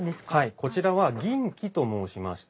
こちらは銀器と申しまして。